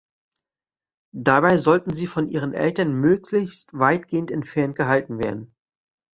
Dabei sollten sie von ihren Eltern möglichst weitgehend entfernt gehalten werden.